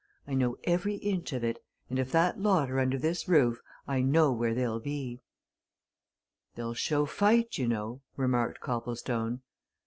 I know every inch of it, and if that lot are under this roof I know where they'll be." "They'll show fight, you know," remarked Copplestone.